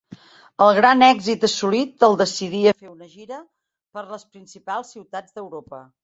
El gran èxit assolit el decidí a fer una gira per les principals ciutats d'Europa.